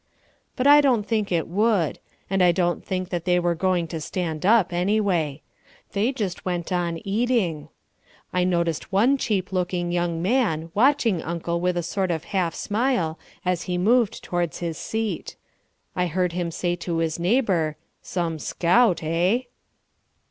But I don't think it would, and I don't think that they were going to stand up, anyway. They just went on eating. I noticed one cheap looking young man watching Uncle with a sort of half smile as he moved towards his seat. I heard him say to his neighbour, "Some scout, eh?"